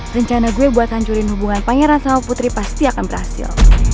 rencana gue buat hancurin hubungan pangeran sama putri pasti akan berhasil